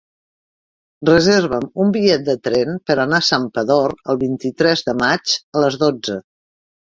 Reserva'm un bitllet de tren per anar a Santpedor el vint-i-tres de maig a les dotze.